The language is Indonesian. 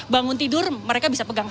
bangun tidur mereka bisa pegang